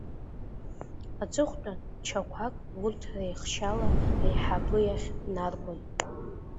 Аҵыхәтәан, чаҟәак урҭ реихшьаала аиҳабы иахь инаргон.